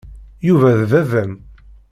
Yuba d baba-m.